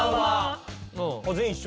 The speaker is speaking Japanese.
全員一緒。